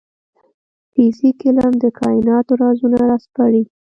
فزیک علم د کایناتو رازونه راسپړي